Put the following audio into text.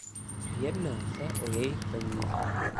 Jedná se o jejich peníze.